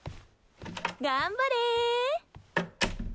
頑張れ。